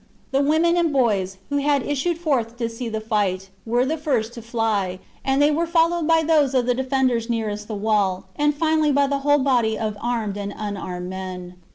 The women and boys, who had issued forth to see the fight, were the first to fly, and they were fol lowed by those of the defenders nearest the wall, and finally by the whole body of armed and unarmed men.